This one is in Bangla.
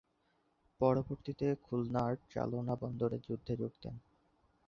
পরবর্তীতে খুলনার চালনা বন্দরে যুদ্ধে যোগ দেন।